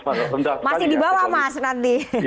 masih di bawah mas nanti